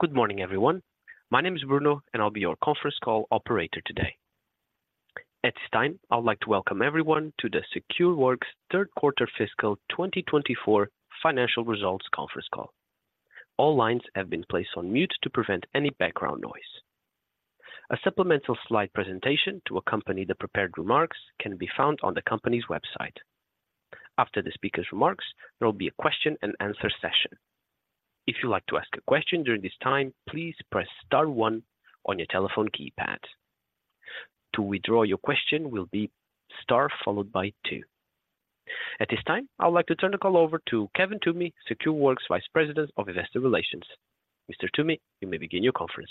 Good morning, everyone. My name is Bruno, and I'll be your conference call operator today. At this time, I would like to welcome everyone to the Secureworks Third Quarter Fiscal 2024 Financial Results Conference Call. All lines have been placed on mute to prevent any background noise. A supplemental slide presentation to accompany the prepared remarks can be found on the company's website. After the speaker's remarks, there will be a question and answer session. If you'd like to ask a question during this time, please press star one on your telephone keypad. To withdraw your question, will be star followed by two. At this time, I would like to turn the call over to Kevin Toomey, Secureworks Vice President of Investor Relations. Mr. Toomey, you may begin your conference.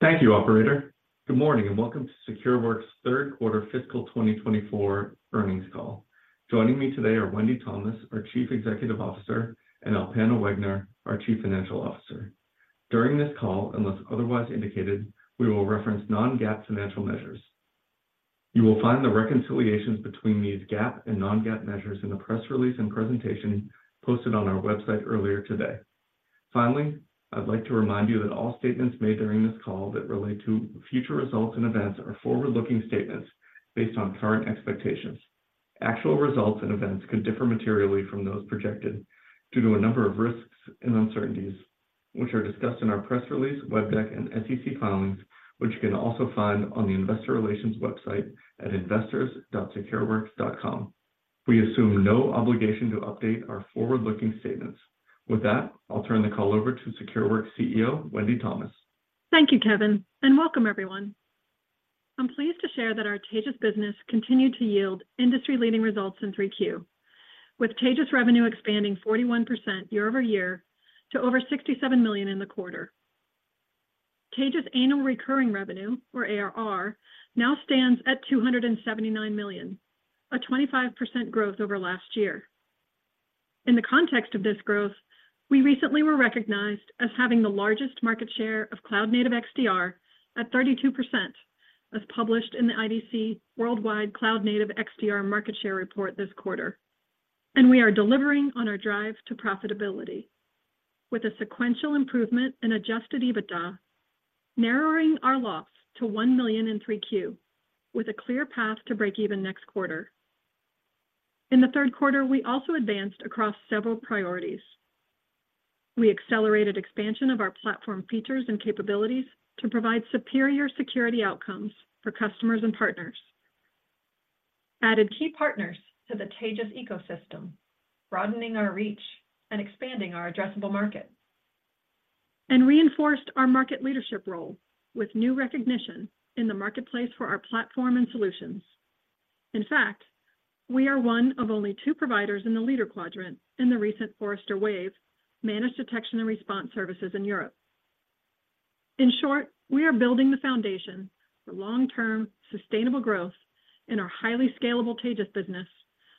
Thank you, operator. Good morning, and welcome to Secureworks third quarter fiscal 2024 earnings call. Joining me today are Wendy Thomas, our Chief Executive Officer, and Alpana Wegner, our Chief Financial Officer. During this call, unless otherwise indicated, we will reference non-GAAP financial measures. You will find the reconciliations between these GAAP and non-GAAP measures in the press release and presentation posted on our website earlier today. Finally, I'd like to remind you that all statements made during this call that relate to future results and events are forward-looking statements based on current expectations. Actual results and events could differ materially from those projected due to a number of risks and uncertainties, which are discussed in our press release, website, and SEC filings, which you can also find on the investor relations website at investors.secureworks.com. We assume no obligation to update our forward-looking statements. With that, I'll turn the call over to Secureworks CEO, Wendy Thomas. Thank you, Kevin, and welcome everyone. I'm pleased to share that our Taegis business continued to yield industry-leading results in Q3, with Taegis revenue expanding 41% year-over-year to over $67 million in the quarter. Taegis annual recurring revenue, or ARR, now stands at $279 million, a 25% growth over last year. In the context of this growth, we recently were recognized as having the largest market share of cloud-native XDR at 32%, as published in the IDC Worldwide Cloud Native XDR Market Share Report this quarter. We are delivering on our drive to profitability with a sequential improvement in Adjusted EBITDA, narrowing our loss to $1 million in Q3, with a clear path to break even next quarter. In the third quarter, we also advanced across several priorities. We accelerated expansion of our platform features and capabilities to provide superior security outcomes for customers and partners, added key partners to the Taegis ecosystem, broadening our reach and expanding our addressable market, and reinforced our market leadership role with new recognition in the marketplace for our platform and solutions. In fact, we are one of only two providers in the leader quadrant in the recent Forrester Wave, Managed Detection and Response Services in Europe. In short, we are building the foundation for long-term, sustainable growth in our highly scalable Taegis business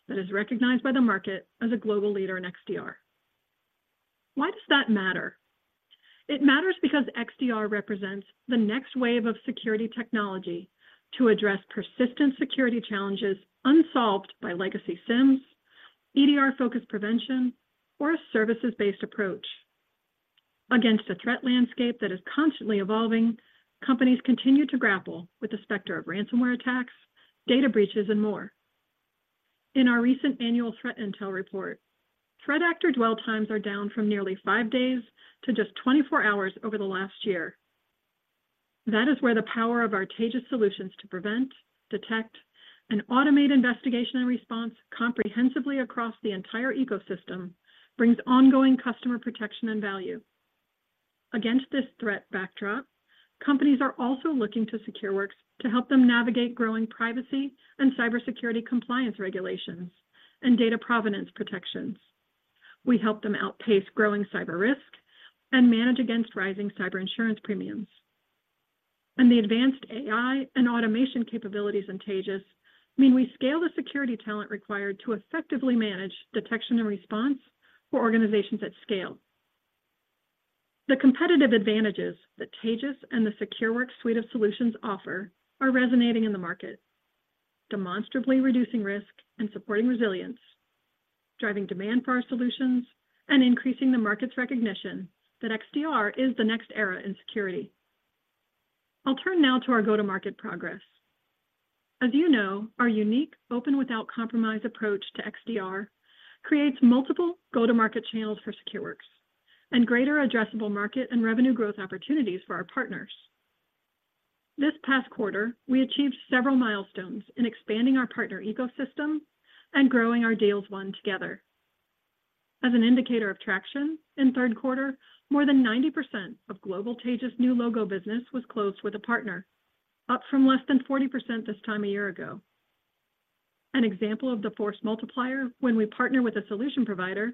that is recognized by the market as a global leader in XDR. Why does that matter? It matters because XDR represents the next wave of security technology to address persistent security challenges unsolved by legacy SIEMs, EDR-focused prevention, or a services-based approach. Against a threat landscape that is constantly evolving, companies continue to grapple with the specter of ransomware attacks, data breaches, and more. In our recent annual threat intel report, threat actor dwell times are down from nearly five days to just 24 hours over the last year. That is where the power of our Taegis solutions to prevent, detect, and automate investigation and response comprehensively across the entire ecosystem brings ongoing customer protection and value. Against this threat backdrop, companies are also looking to Secureworks to help them navigate growing privacy and cybersecurity compliance regulations and data provenance protections. We help them outpace growing cyber risk and manage against rising cyber insurance premiums. And the advanced AI and automation capabilities in Taegis mean we scale the security talent required to effectively manage detection and response for organizations at scale. The competitive advantages that Taegis and the Secureworks suite of solutions offer are resonating in the market, demonstrably reducing risk and supporting resilience, driving demand for our solutions, and increasing the market's recognition that XDR is the next era in security. I'll turn now to our go-to-market progress. As you know, our unique Open Without Compromise approach to XDR creates multiple go-to-market channels for Secureworks and greater addressable market and revenue growth opportunities for our partners. This past quarter, we achieved several milestones in expanding our partner ecosystem and growing our deals won together. As an indicator of traction, in third quarter, more than 90% of global Taegis new logo business was closed with a partner, up from less than 40% this time a year ago. An example of the force multiplier when we partner with a solution provider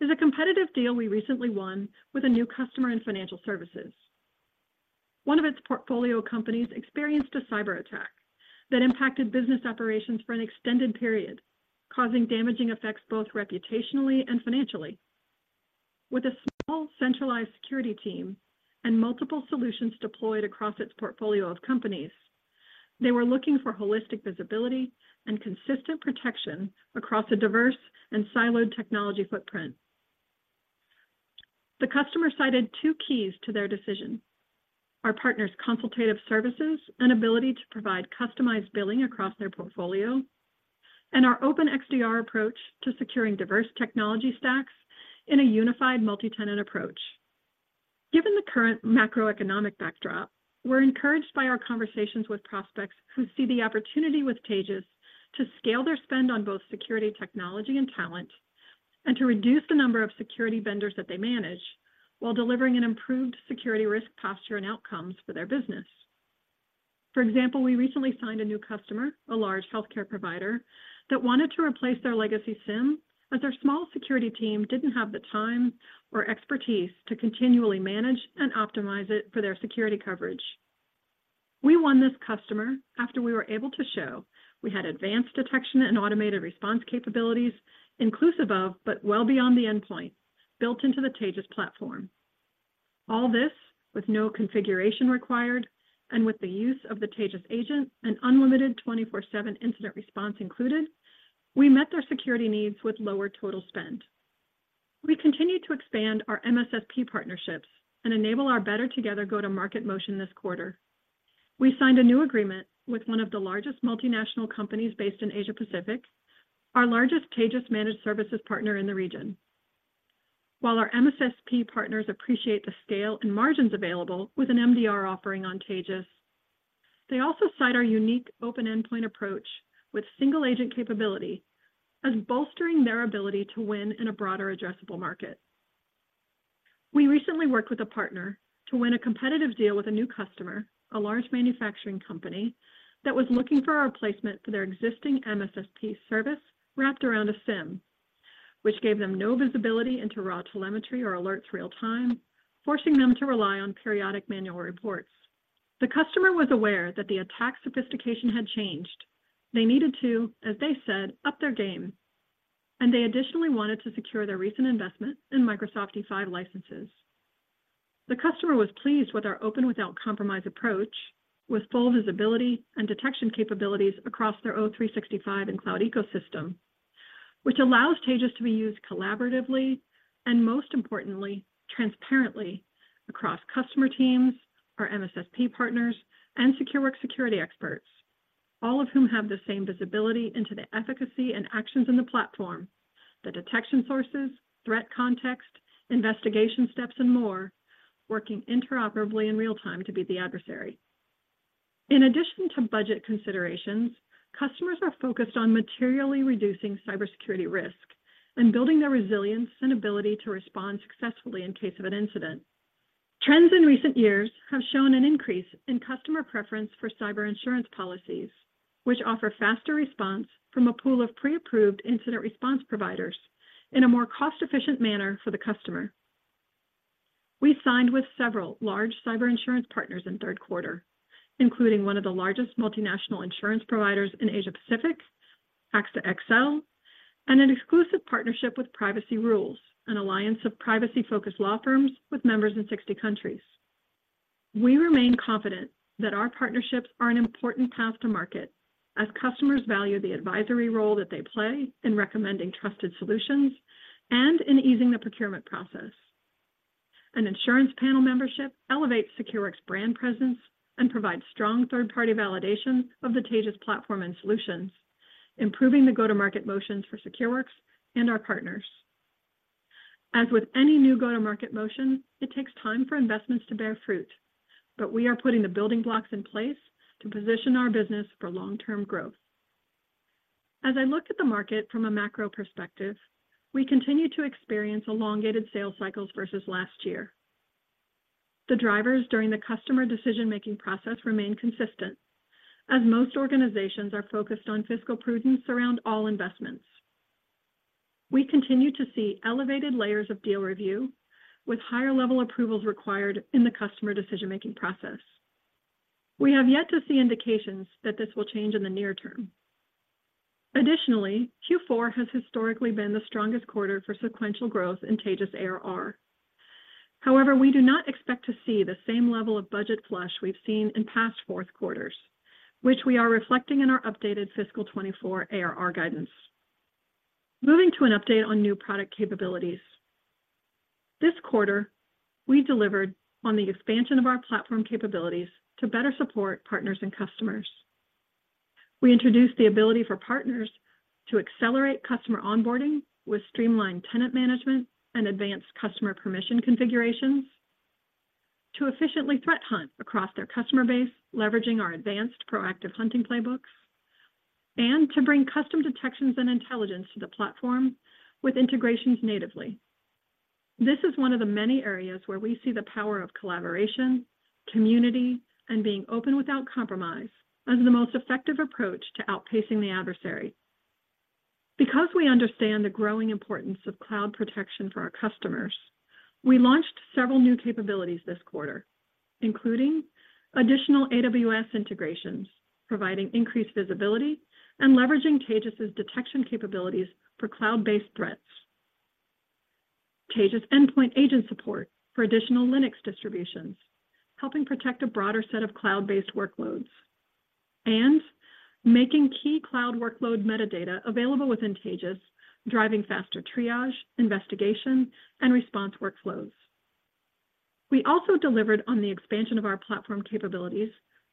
is a competitive deal we recently won with a new customer in financial services. One of its portfolio companies experienced a cyberattack that impacted business operations for an extended period, causing damaging effects, both reputationally and financially. With a small, centralized security team and multiple solutions deployed across its portfolio of companies, they were looking for holistic visibility and consistent protection across a diverse and siloed technology footprint. The customer cited two keys to their decision: our partner's consultative services and ability to provide customized billing across their portfolio, and our open XDR approach to securing diverse technology stacks in a unified multi-tenant approach. Given the current macroeconomic backdrop, we're encouraged by our conversations with prospects who see the opportunity with Taegis to scale their spend on both security technology and talent, and to reduce the number of security vendors that they manage, while delivering an improved security risk posture and outcomes for their business. For example, we recently signed a new customer, a large healthcare provider, that wanted to replace their legacy SIEM, as their small security team didn't have the time or expertise to continually manage and optimize it for their security coverage. We won this customer after we were able to show we had advanced detection and automated response capabilities, inclusive of, but well beyond the endpoint, built into the Taegis platform. All this, with no configuration required, and with the use of the Taegis agent and unlimited 24/7 incident response included, we met their security needs with lower total spend. We continued to expand our MSSP partnerships and enable our Better Together go-to-market motion this quarter. We signed a new agreement with one of the largest multinational companies based in Asia Pacific, our largest Taegis managed services partner in the region. While our MSSP partners appreciate the scale and margins available with an MDR offering on Taegis, they also cite our unique open endpoint approach with single-agent capability as bolstering their ability to win in a broader addressable market. We recently worked with a partner to win a competitive deal with a new customer, a large manufacturing company, that was looking for a replacement for their existing MSSP service, wrapped around a SIEM, which gave them no visibility into raw telemetry or alerts real time, forcing them to rely on periodic manual reports. The customer was aware that the attack sophistication had changed. They needed to, as they said, "up their game," and they additionally wanted to secure their recent investment in Microsoft E5 licenses. The customer was pleased with our Open Without Compromise approach, with full visibility and detection capabilities across their O365 and cloud ecosystem, which allows Taegis to be used collaboratively and, most importantly, transparently across customer teams, our MSSP partners, and Secureworks security experts, all of whom have the same visibility into the efficacy and actions in the platform, the detection sources, threat context, investigation steps, and more, working interoperably in real time to beat the adversary. In addition to budget considerations, customers are focused on materially reducing cybersecurity risk and building their resilience and ability to respond successfully in case of an incident. Trends in recent years have shown an increase in customer preference for cyber insurance policies, which offer faster response from a pool of pre-approved incident response providers in a more cost-efficient manner for the customer. We signed with several large cyber insurance partners in third quarter, including one of the largest multinational insurance providers in Asia Pacific, AXA XL, and an exclusive partnership with PrivacyRules, an alliance of privacy-focused law firms with members in 60 countries. We remain confident that our partnerships are an important path to market as customers value the advisory role that they play in recommending trusted solutions and in easing the procurement process. An insurance panel membership elevates Secureworks' brand presence and provides strong third-party validation of the Taegis platform and solutions, improving the go-to-market motions for Secureworks and our partners. As with any new go-to-market motion, it takes time for investments to bear fruit, but we are putting the building blocks in place to position our business for long-term growth. As I look at the market from a macro perspective, we continue to experience elongated sales cycles versus last year. The drivers during the customer decision-making process remain consistent, as most organizations are focused on fiscal prudence around all investments. We continue to see elevated layers of deal review, with higher-level approvals required in the customer decision-making process. We have yet to see indications that this will change in the near term. Additionally, Q4 has historically been the strongest quarter for sequential growth in Taegis ARR. However, we do not expect to see the same level of budget flush we've seen in past fourth quarters, which we are reflecting in our updated fiscal 2024 ARR guidance. Moving to an update on new product capabilities. This quarter, we delivered on the expansion of our platform capabilities to better support partners and customers. We introduced the ability for partners to accelerate customer onboarding with streamlined tenant management and advanced customer permission configurations to efficiently threat hunt across their customer base, leveraging our advanced proactive hunting playbooks, and to bring custom detections and intelligence to the platform with integrations natively. This is one of the many areas where we see the power of collaboration, community, and being Open Without Compromise, as the most effective approach to outpacing the adversary. Because we understand the growing importance of cloud protection for our customers, we launched several new capabilities this quarter, including additional AWS integrations, providing increased visibility and leveraging Taegis's detection capabilities for cloud-based threats. Taegis Endpoint Agent support for additional Linux distributions, helping protect a broader set of cloud-based workloads, and making key cloud workload metadata available within Taegis, driving faster triage, investigation, and response workflows. We also delivered on the expansion of our platform capabilities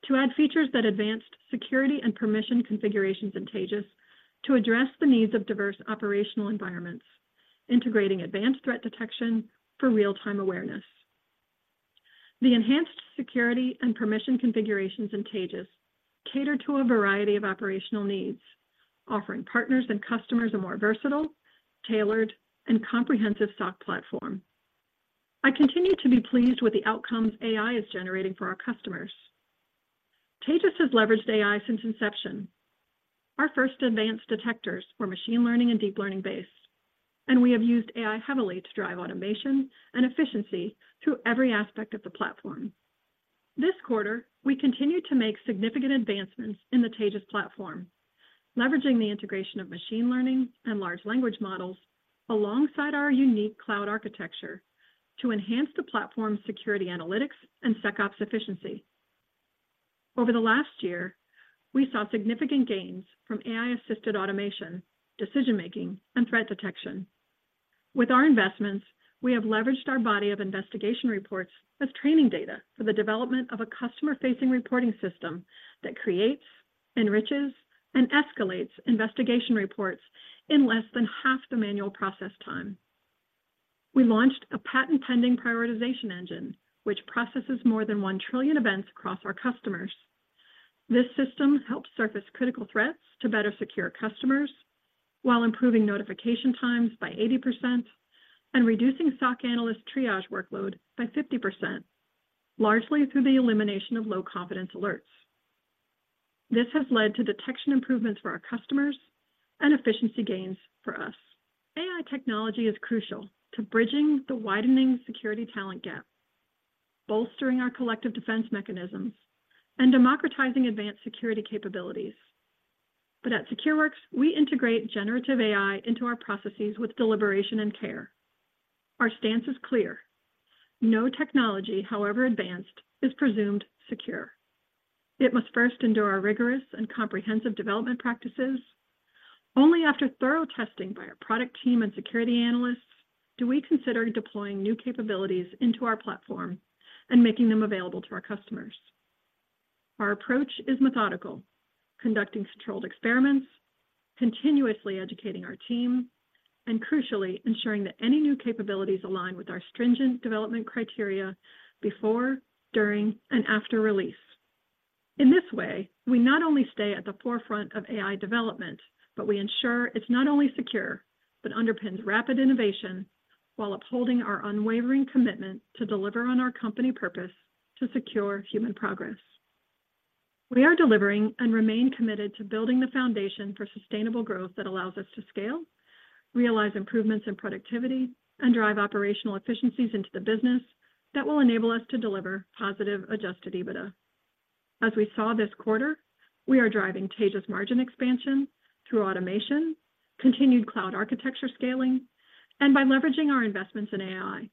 to add features that advanced security and permission configurations in Taegis to address the needs of diverse operational environments, integrating advanced threat detection for real-time awareness. The enhanced security and permission configurations in Taegis cater to a variety of operational needs, offering partners and customers a more versatile, tailored, and comprehensive SOC platform. I continue to be pleased with the outcomes AI is generating for our customers. Taegis has leveraged AI since inception. Our first advanced detectors were machine learning and deep learning-based, and we have used AI heavily to drive automation and efficiency through every aspect of the platform. This quarter, we continued to make significant advancements in the Taegis platform, leveraging the integration of machine learning and large language models alongside our unique cloud architecture to enhance the platform's security analytics and SecOps efficiency. Over the last year, we saw significant gains from AI-assisted automation, decision-making, and threat detection. With our investments, we have leveraged our body of investigation reports as training data for the development of a customer-facing reporting system that creates, enriches, and escalates investigation reports in less than half the manual process time. We launched a patent-pending prioritization engine, which processes more than 1 trillion events across our customers. This system helps surface critical threats to better secure customers, while improving notification times by 80% and reducing SOC analyst triage workload by 50%, largely through the elimination of low-confidence alerts. This has led to detection improvements for our customers and efficiency gains for us. AI technology is crucial to bridging the widening security talent gap, bolstering our collective defense mechanisms, and democratizing advanced security capabilities. But at Secureworks, we integrate generative AI into our processes with deliberation and care. Our stance is clear: no technology, however advanced, is presumed secure. It must first endure our rigorous and comprehensive development practices. Only after thorough testing by our product team and security analysts, do we consider deploying new capabilities into our platform and making them available to our customers. Our approach is methodical, conducting controlled experiments, continuously educating our team, and crucially, ensuring that any new capabilities align with our stringent development criteria before, during, and after release. In this way, we not only stay at the forefront of AI development, but we ensure it's not only secure, but underpins rapid innovation while upholding our unwavering commitment to deliver on our company purpose to secure human progress. We are delivering and remain committed to building the foundation for sustainable growth that allows us to scale, realize improvements in productivity, and drive operational efficiencies into the business that will enable us to deliver positive Adjusted EBITDA. As we saw this quarter, we are driving Taegis margin expansion through automation, continued cloud architecture scaling, and by leveraging our investments in AI.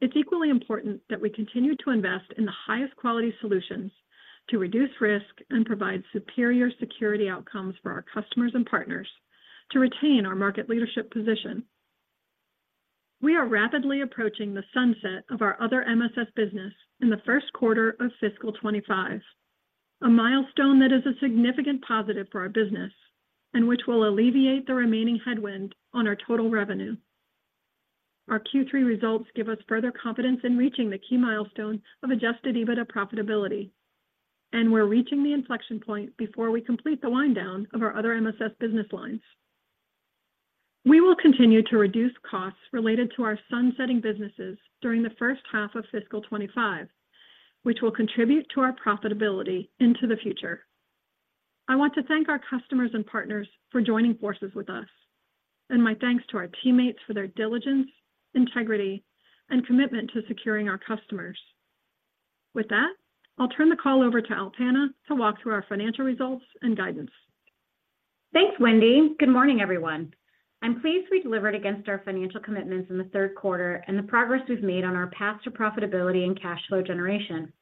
It's equally important that we continue to invest in the highest quality solutions to reduce risk and provide superior security outcomes for our customers and partners to retain our market leadership position. We are rapidly approaching the sunset of our other MSS business in the first quarter of fiscal 25, a milestone that is a significant positive for our business and which will alleviate the remaining headwind on our total revenue. Our Q3 results give us further confidence in reaching the key milestone of Adjusted EBITDA profitability, and we're reaching the inflection point before we complete the wind down of our other MSS business lines. We will continue to reduce costs related to our sunsetting businesses during the first half of fiscal 25, which will contribute to our profitability into the future. I want to thank our customers and partners for joining forces with us, and my thanks to our teammates for their diligence, integrity, and commitment to securing our customers. With that, I'll turn the call over to Alpana to walk through our financial results and guidance. Thanks, Wendy. Good morning, everyone. I'm pleased we delivered against our financial commitments in the third quarter and the progress we've made on our path to profitability and cash flow generation.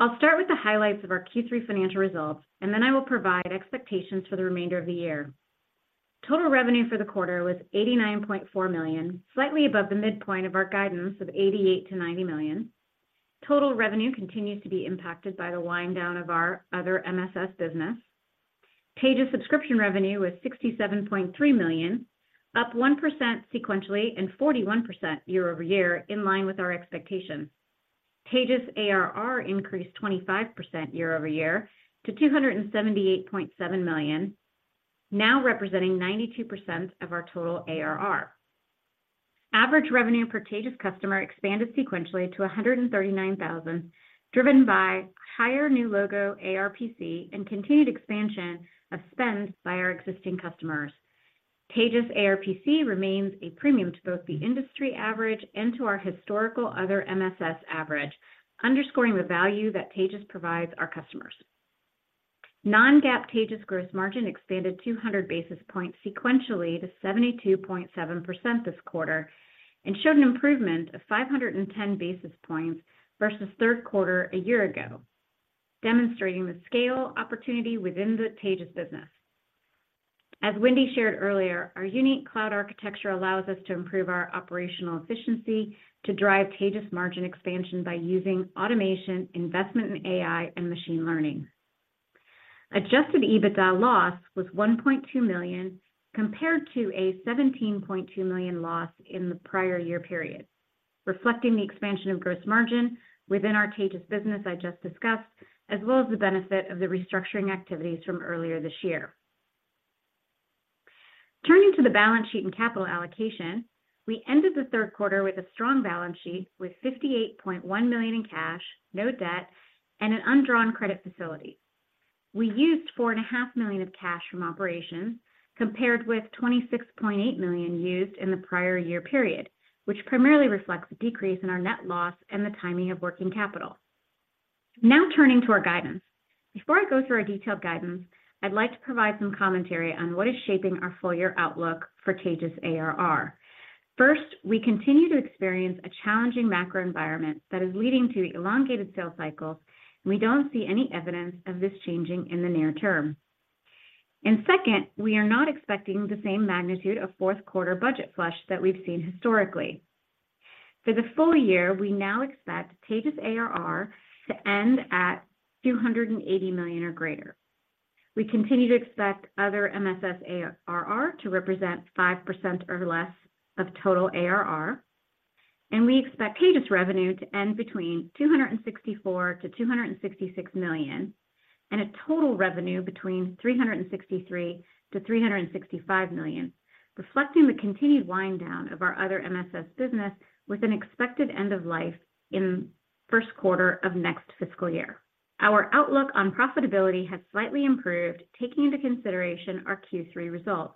I'll start with the highlights of our Q3 financial results, and then I will provide expectations for the remainder of the year. Total revenue for the quarter was $89.4 million, slightly above the midpoint of our guidance of $88 million-$90 million. Total revenue continues to be impacted by the wind down of our other MSS business. Taegis subscription revenue was $67.3 million, up 1% sequentially and 41% year-over-year, in line with our expectations. Taegis ARR increased 25% year-over-year to $278.7 million, now representing 92% of our total ARR. Average revenue per Taegis customer expanded sequentially to $139,000, driven by higher new logo ARPC and continued expansion of spend by our existing customers. Taegis ARPC remains a premium to both the industry average and to our historical other MSS average, underscoring the value that Taegis provides our customers. Non-GAAP Taegis gross margin expanded 200 basis points sequentially to 72.7% this quarter, and showed an improvement of 510 basis points versus third quarter a year ago, demonstrating the scale opportunity within the Taegis business. As Wendy shared earlier, our unique cloud architecture allows us to improve our operational efficiency to drive Taegis margin expansion by using automation, investment in AI, and machine learning. Adjusted EBITDA loss was $1.2 million, compared to a $17.2 million loss in the prior year period, reflecting the expansion of gross margin within our Taegis business I just discussed, as well as the benefit of the restructuring activities from earlier this year. Turning to the balance sheet and capital allocation, we ended the third quarter with a strong balance sheet with $58.1 million in cash, no debt, and an undrawn credit facility. We used $4.5 million of cash from operations, compared with $26.8 million used in the prior year period, which primarily reflects the decrease in our net loss and the timing of working capital. Now turning to our guidance. Before I go through our detailed guidance, I'd like to provide some commentary on what is shaping our full year outlook for Taegis ARR. First, we continue to experience a challenging macro environment that is leading to elongated sales cycles, and we don't see any evidence of this changing in the near term. Second, we are not expecting the same magnitude of fourth quarter budget flush that we've seen historically. For the full year, we now expect Taegis ARR to end at $280 million or greater. We continue to expect other MSS ARR to represent 5% or less of total ARR, and we expect Taegis revenue to end between $264 million-$266 million, and total revenue between $363 million-$365 million, reflecting the continued wind down of our other MSS business with an expected end of life in first quarter of next fiscal year. Our outlook on profitability has slightly improved, taking into consideration our Q3 results.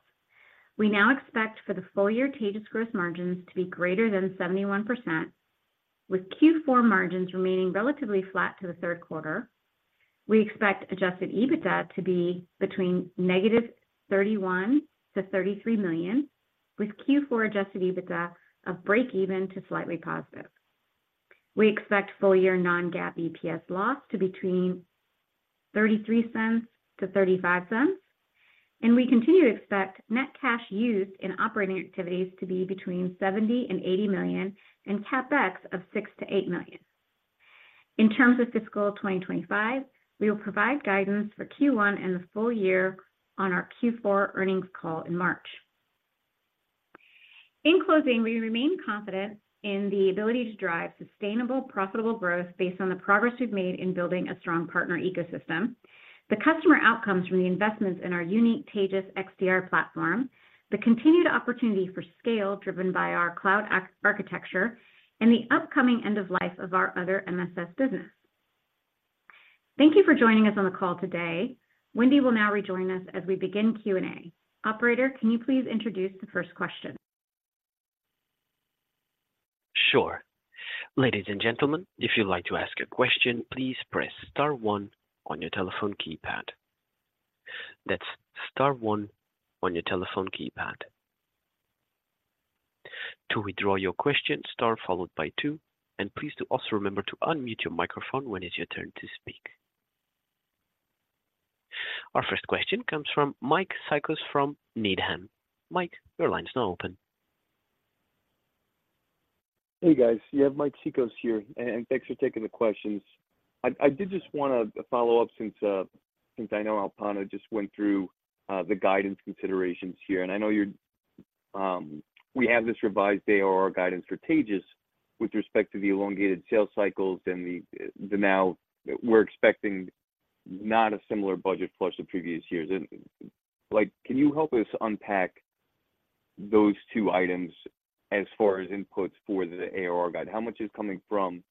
We now expect for the full year Taegis gross margins to be greater than 71%, with Q4 margins remaining relatively flat to the third quarter. We expect adjusted EBITDA to be between -$31 million-$33 million, with Q4 adjusted EBITDA of breakeven to slightly positive. We expect full year non-GAAP EPS loss to between 33 cents to 35 cents, and we continue to expect net cash used in operating activities to be between $70 million and $80 million, and CapEx of $6 million-$8 million. In terms of fiscal 2025, we will provide guidance for Q1 and the full year on our Q4 earnings call in March. In closing, we remain confident in the ability to drive sustainable, profitable growth based on the progress we've made in building a strong partner ecosystem. The customer outcomes from the investments in our unique Taegis XDR platform, the continued opportunity for scale driven by our cloud architecture, and the upcoming end of life of our other MSS business. Thank you for joining us on the call today. Wendy will now rejoin us as we begin Q&A. Operator, can you please introduce the first question? Sure. Ladies and gentlemen, if you'd like to ask a question, please press star one on your telephone keypad. That's star one on your telephone keypad. To withdraw your question, star followed by two, and please do also remember to unmute your microphone when it's your turn to speak. Our first question comes from Mike Cikos from Needham. Mike, your line is now open. Hey, guys. You have Mike Cikos here, and thanks for taking the questions. I did just want to follow up since, since I know Alpana just went through, the guidance considerations here, and I know you're... We have this revised ARR guidance for Taegis with respect to the elongated sales cycles and the, the now we're expecting not a similar budget flush to previous years. And, like, can you help us unpack those two items as far as inputs for the ARR guide? How much is coming from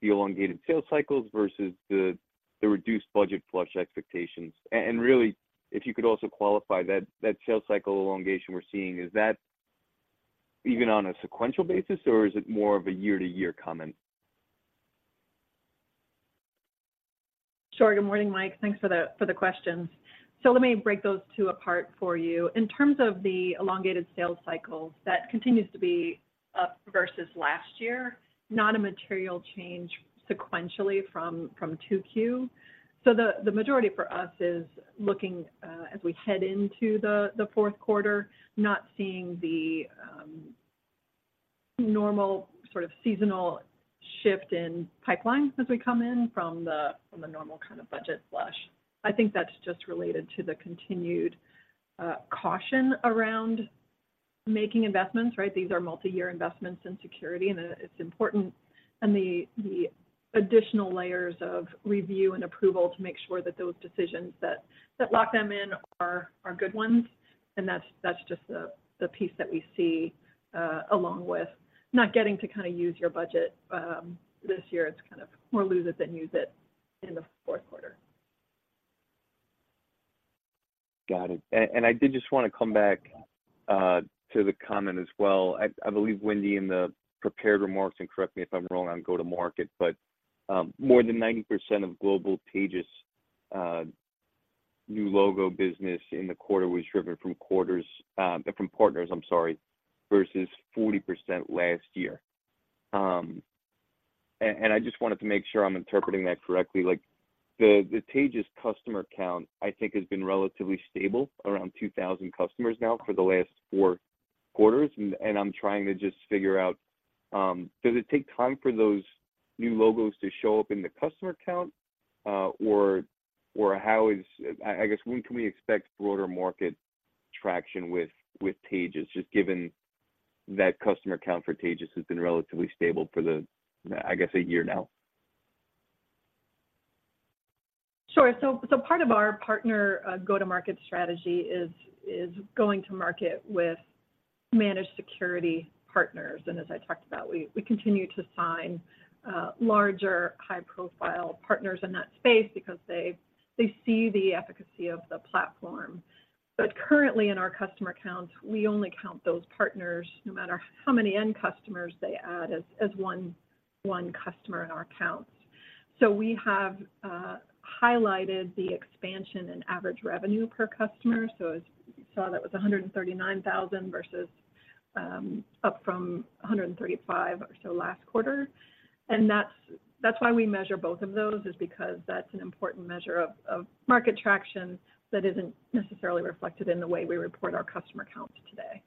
the elongated sales cycles versus the, the reduced budget flush expectations? And, and really, if you could also qualify that, that sales cycle elongation we're seeing, is that even on a sequential basis, or is it more of a year-to-year comment? Sure. Good morning, Mike. Thanks for the questions. So let me break those two apart for you. In terms of the elongated sales cycles, that continues to be up versus last year, not a material change sequentially from 2Q. So the majority for us is looking as we head into the fourth quarter, not seeing the normal sort of seasonal shift in pipelines as we come in from the normal kind of budget flush. I think that's just related to the continued caution around making investments, right? These are multi-year investments in security, and it's important and the additional layers of review and approval to make sure that those decisions that lock them in are good ones. That's just the piece that we see, along with not getting to kind of use your budget this year. It's kind of more lose it than use it in the fourth quarter. Got it. And I did just wanna come back to the comment as well. I believe Wendy, in the prepared remarks, and correct me if I'm wrong on go-to-market, but more than 90% of global Taegis new logo business in the quarter was driven from quarters from partners, I'm sorry, versus 40% last year. And I just wanted to make sure I'm interpreting that correctly. Like, the Taegis customer count, I think, has been relatively stable, around 2,000 customers now for the last four quarters, and I'm trying to just figure out, does it take time for those new logos to show up in the customer count? Or, how is—I guess, when can we expect broader market traction with Taegis, just given that customer count for Taegis has been relatively stable for the, I guess, a year now? Sure. So part of our partner go-to-market strategy is going to market with managed security partners. And as I talked about, we continue to sign larger, high-profile partners in that space because they see the efficacy of the platform. But currently in our customer counts, we only count those partners, no matter how many end customers they add, as one customer in our counts. So we have highlighted the expansion in average revenue per customer. So as you saw, that was $139,000 versus up from $135,000 or so last quarter. And that's why we measure both of those, is because that's an important measure of market traction that isn't necessarily reflected in the way we report our customer counts today.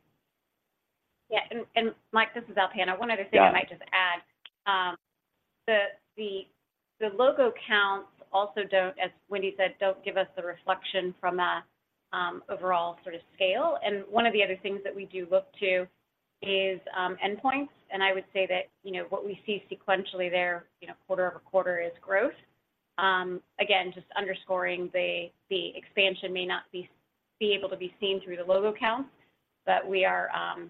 Yeah, and Mike, this is Alpana. Yeah. One other thing I might just add, the logo counts also don't, as Wendy said, don't give us the reflection from a overall sort of scale. And one of the other things that we do look to is endpoints, and I would say that, you know, what we see sequentially there, you know, quarter-over-quarter is growth. Again, just underscoring the expansion may not be able to be seen through the logo count, but we are...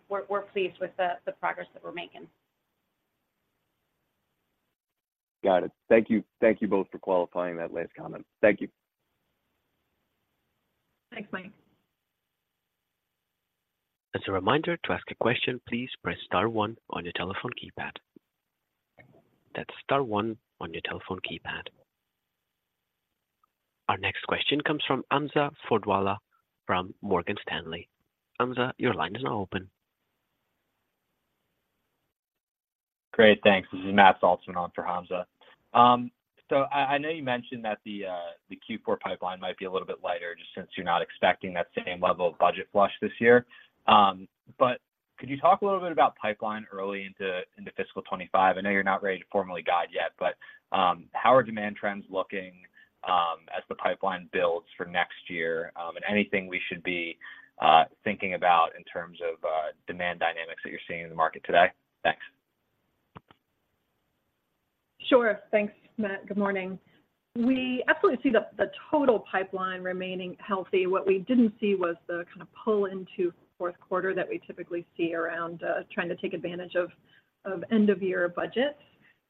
We're pleased with the progress that we're making. Got it. Thank you. Thank you both for qualifying that last comment. Thank you. Thanks, Mike. As a reminder, to ask a question, please press star one on your telephone keypad. That's star one on your telephone keypad. Our next question comes from Hamza Fodderwala from Morgan Stanley. Hamza, your line is now open. Great, thanks. This is Matt Saltzman on for Hamza. So I know you mentioned that the Q4 pipeline might be a little bit lighter, just since you're not expecting that same level of budget flush this year. But could you talk a little bit about pipeline early into fiscal 2025? I know you're not ready to formally guide yet, but how are demand trends looking as the pipeline builds for next year? And anything we should be thinking about in terms of demand dynamics that you're seeing in the market today? Thanks. Sure. Thanks, Matt. Good morning. We absolutely see the total pipeline remaining healthy. What we didn't see was the kind of pull into fourth quarter that we typically see around trying to take advantage of end-of-year budgets.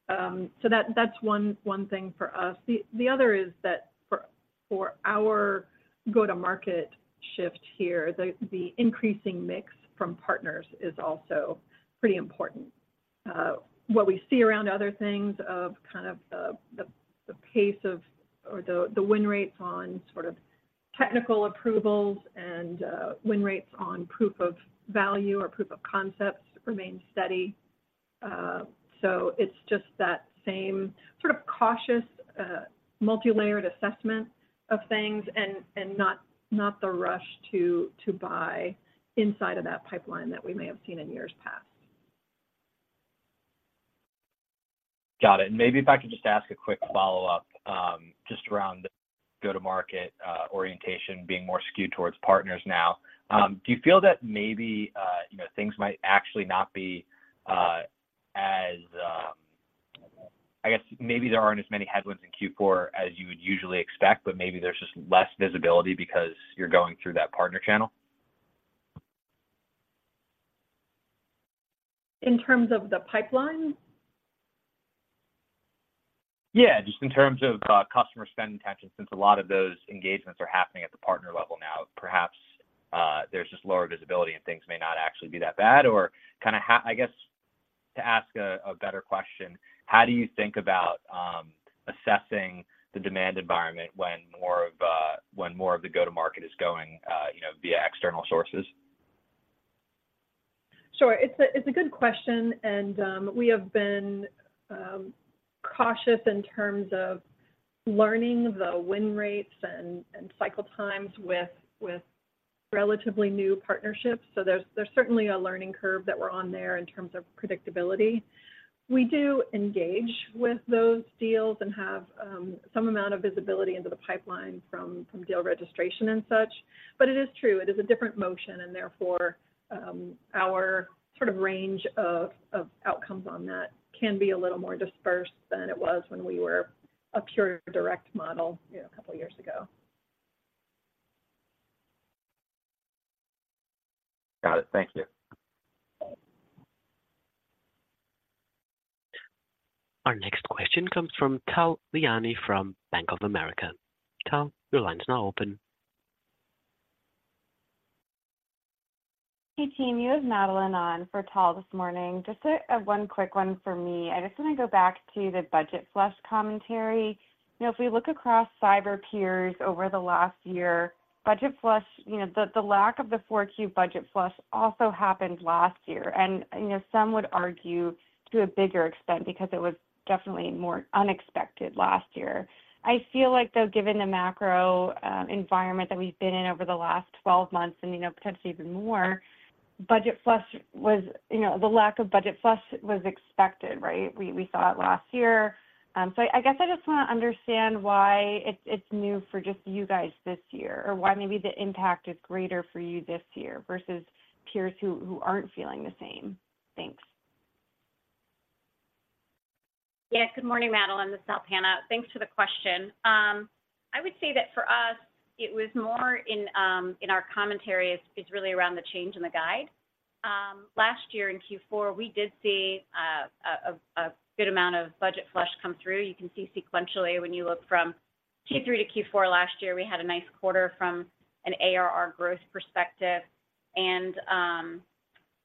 So that's one thing for us. The other is that for our go-to-market shift here, the increasing mix from partners is also pretty important. What we see around other things of kind of the pace of, or the win rates on sort of technical approvals and win rates on proof of value or proof of concepts remain steady. So it's just that same sort of cautious multilayered assessment of things and not the rush to buy inside of that pipeline that we may have seen in years past. Got it. And maybe if I could just ask a quick follow-up, just around the go-to-market, orientation being more skewed towards partners now. Mm-hmm. Do you feel that maybe, you know, things might actually not be as... I guess, maybe there aren't as many headwinds in Q4 as you would usually expect, but maybe there's just less visibility because you're going through that partner channel? In terms of the pipeline? Yeah, just in terms of customer spend intentions, since a lot of those engagements are happening at the partner level now, perhaps there's just lower visibility, and things may not actually be that bad. Or kinda how, I guess, to ask a better question: How do you think about assessing the demand environment when more of the go-to-market is going, you know, via external sources? Sure. It's a good question, and we have been cautious in terms of learning the win rates and cycle times with relatively new partnerships, so there's certainly a learning curve that we're on there in terms of predictability. We do engage with those deals and have some amount of visibility into the pipeline from deal registration and such, but it is true. It is a different motion, and therefore, our sort of range of outcomes on that can be a little more dispersed than it was when we were a pure direct model, you know, a couple of years ago. Got it. Thank you. Our next question comes from Tal Liani from Bank of America. Tal, your line's now open. Hey, team, you have Madeleine on for Tal this morning. Just one quick one for me. I just want to go back to the budget flush commentary. You know, if we look across cyber peers over the last year, budget flush, you know, the lack of the Q4 budget flush also happened last year. And, you know, some would argue to a bigger extent because it was definitely more unexpected last year. I feel like, though, given the macro environment that we've been in over the last 12 months and, you know, potentially even more, budget flush was-- You know, the lack of budget flush was expected, right? We saw it last year. So I guess I just want to understand why it's new for just you guys this year, or why maybe the impact is greater for you this year versus peers who aren't feeling the same. Thanks. Yeah. Good morning, Madeleine. This is Alpana. Thanks for the question. I would say that for us, it was more in, in our commentary, is really around the change in the guide. Last year in Q4, we did see a good amount of budget flush come through. You can see sequentially when you look from Q3 to Q4 last year, we had a nice quarter from an ARR growth perspective. And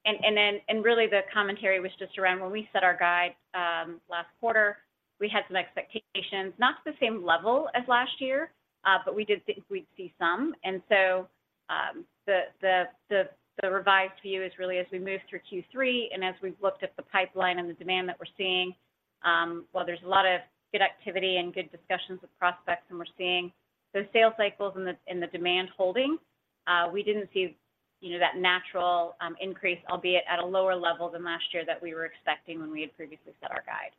then, and really the commentary was just around when we set our guide, last quarter, we had some expectations, not to the same level as last year, but we did think we'd see some. And so, the revised view is really as we moved through Q3 and as we've looked at the pipeline and the demand that we're seeing, while there's a lot of good activity and good discussions with prospects, and we're seeing those sales cycles in the demand holding, we didn't see, you know, that natural increase, albeit at a lower level than last year, that we were expecting when we had previously set our guide.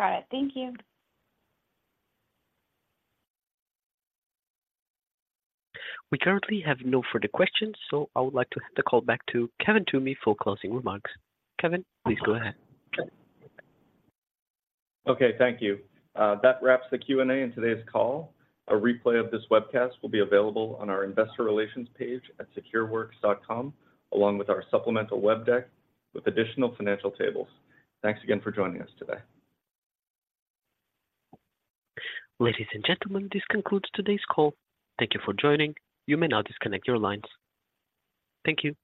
Got it. Thank you. We currently have no further questions, so I would like to hand the call back to Kevin Toomey for closing remarks. Kevin, please go ahead. Okay. Thank you. That wraps the Q&A in today's call. A replay of this webcast will be available on our investor relations page at Secureworks.com, along with our supplemental web deck with additional financial tables. Thanks again for joining us today. Ladies and gentlemen, this concludes today's call. Thank you for joining. You may now disconnect your lines. Thank you.